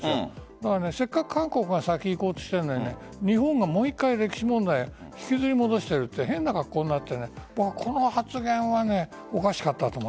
だからせっかく韓国が先にいこうとしているのに日本がもう１回、歴史問題引きずり戻しているって変な慣行になって僕はこの発言はおかしかったなと思う。